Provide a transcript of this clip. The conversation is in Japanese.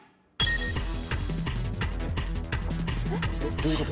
どういうこと？